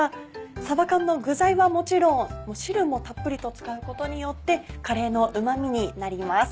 さば缶の具材はもちろん汁もたっぷりと使うことによってカレーのうまみになります。